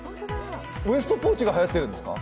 ウエストポーチがはやってるんですか？